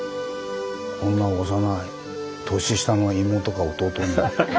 こんな幼い年下の妹か弟にも。